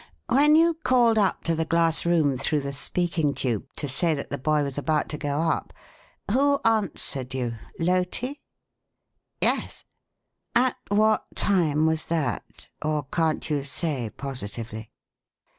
"When you called up to the glass room through the speaking tube, to say that the boy was about to go up, who answered you Loti?" "Yes." "At what time was that? Or can't you say positively?"